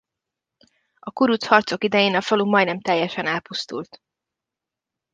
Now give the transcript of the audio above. A kuruc harcok idején a falu majdnem teljesen elpusztult.